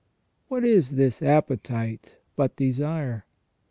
What is this appetite but desire